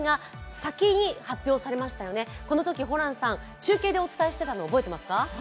このときホランさん、中継でお伝えしていたの覚えていますか？